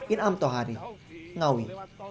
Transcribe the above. in'am tohari ngawi